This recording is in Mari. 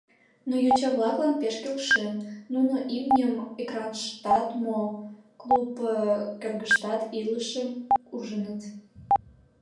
Но йоча-влаклан пеш келшен: нуно имньым экраныштат мо, клуб кӧргыштат илышым ужыныт.